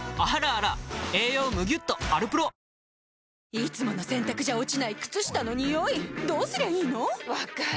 いつもの洗たくじゃ落ちない靴下のニオイどうすりゃいいの⁉分かる。